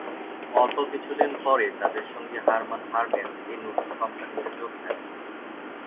এর অল্প কিছুদিন পরেই, তাদের সঙ্গী হারমান হার্মেস এই নতুন কোম্পানিতে যোগ দেন।